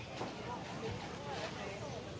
สวัสดีครับทุกคน